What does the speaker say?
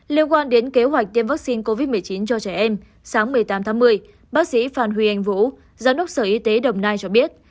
liên quan đến kế hoạch tiêm vaccine covid một mươi chín cho trẻ em sáng một mươi tám tháng một mươi bác sĩ phan huy anh vũ giám đốc sở y tế đồng nai cho biết